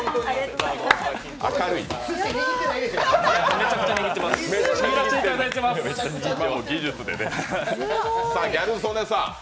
めちゃくちゃ握ってます。